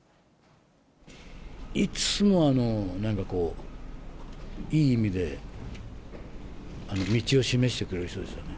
いつもなんかこう、いい意味で、道を示してくれる人でしたね。